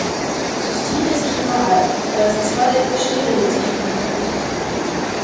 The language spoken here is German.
Cystin ist chiral, da es zwei Stereozentren enthält.